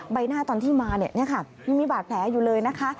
ใบหน้าตอนที่มาเนี่ยค่ะยังมีบาดแผลอยู่เลยนะคะ